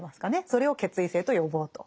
それを決意性と呼ぼうと。